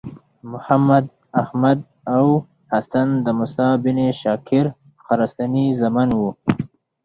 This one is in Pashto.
محمد، احمد او حسن د موسی بن شاګر خراساني زامن وو.